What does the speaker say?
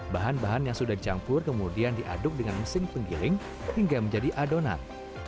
bahan bahan yang sudah dicampur kemudian diaduk dengan mesin penggiling hingga menjadi adonan